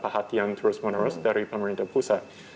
perhatian terus menerus dari pemerintah pusat